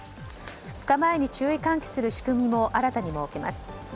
２日前に注意喚起する仕組みも新たに設けます。